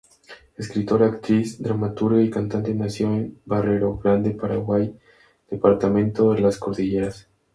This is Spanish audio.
Escritora, actriz, dramaturga y cantante nació en Barrero Grande, Paraguay, departamento de las Cordilleras.